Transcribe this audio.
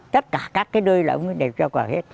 tất cả các cái đôi là ông ấy đều treo cờ hết